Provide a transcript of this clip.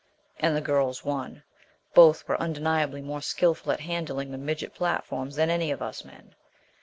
And the girls won. Both were undeniably more skillful at handling the midget platforms than any of us men.